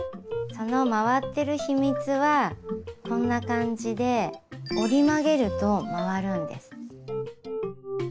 その回ってる秘密はこんな感じで折り曲げると回るんです。